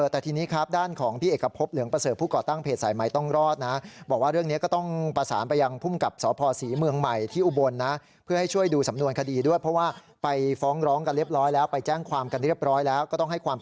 แต่ทีนี้ครับด้านของพี่เอกพบเหลืองประเสริฐผู้ก่อตั้งเพจสายใหม่ต้องรอดนะ